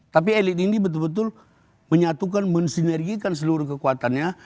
tapi elit ini betul betul menyatukan mensinergikan seluruh kekuatannya